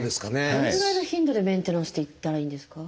どのぐらいの頻度でメンテナンスって行ったらいいんですか？